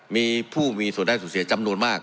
มีผู้มีส่วนได้ส่วนเสียจำนวนมาก